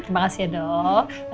makasih ya dok